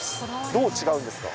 どう違うんですか？